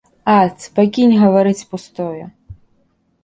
Ат, пакінь гаварыць пустое.